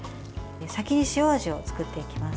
先に塩味を作っていきます。